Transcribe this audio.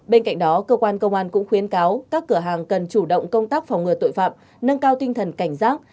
bên cạnh đó cơ quan công an cũng khuyến cáo các cửa hàng cần chủ động công tác phòng ngừa tội phạm nâng cao tinh thần cảnh giác